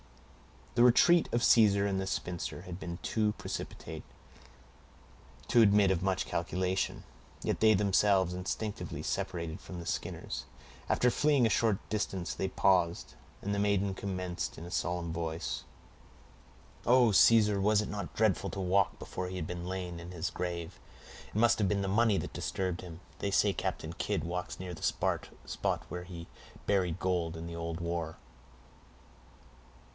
The retreat of Caesar and the spinster had been too precipitate to admit of much calculation; yet they themselves instinctively separated from the Skinners. After fleeing a short distance they paused, and the maiden commenced in a solemn voice,— "Oh! Caesar, was it not dreadful to walk before he had been laid in his grave! It must have been the money that disturbed him; they say Captain Kidd walks near the spot where he buried gold in the old war."